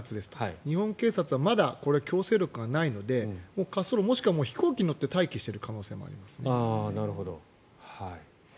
日本警察はまだ強制力がないので滑走路もしくは飛行機に乗って待機している可能性もあります。